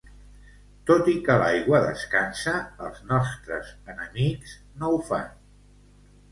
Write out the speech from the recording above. Tot i que l'aigua descansa, els nostres enemics no ho fan.